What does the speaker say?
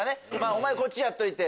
おまえこっちやっといて！